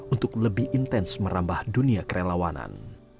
untuk lebih intens merambah dunia kerelawanan